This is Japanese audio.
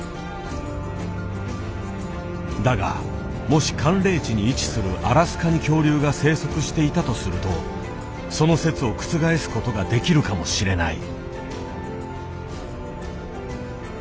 だがもし寒冷地に位置するアラスカに恐竜が生息していたとするとその説を覆す事ができるかもしれない。